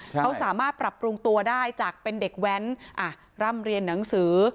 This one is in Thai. เขาสามารถปรับปรุงตัวได้จากเป็นเด็กแว้นอ่ะร่ำเรียนหนังสือ